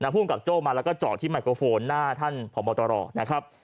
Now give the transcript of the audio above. ภูมิกับโจ้มาแล้วก็เจาะที่ไมโครโฟนหน้าท่านพบตรนะครับ